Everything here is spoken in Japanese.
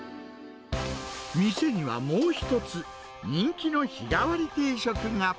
店にはもう一つ、人気の日替わり定食が。